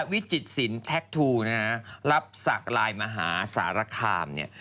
วิจิตศิลปแท็กทูนะฮะรับศักดิ์ลายมหาสารคามเนี่ย